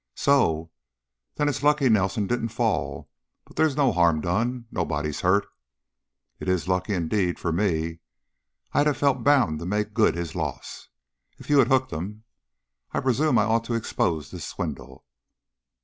"So? Then it's lucky Nelson didn't fall. But there's no harm done nobody's hurt." "It is lucky, indeed for me. I'd have felt bound to make good his loss, if you had hooked him. I presume I ought to expose this swindle."